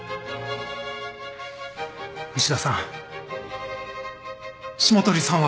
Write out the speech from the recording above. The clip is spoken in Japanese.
牛田さん霜鳥さんは